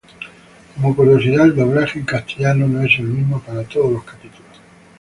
Como curiosidad, el doblaje en castellano no es el mismo para todos los capítulos.